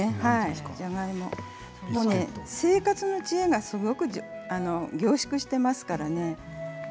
生活の知恵がすごく凝縮されてますからね。